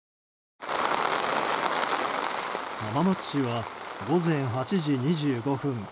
浜松市は午前８時２５分